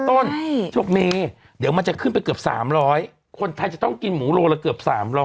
เขาบอกเมเดี๋ยวมันจะขึ้นไปเกือบ๓๐๐คนไทยจะต้องกินหมูโลละเกือบ๓๐๐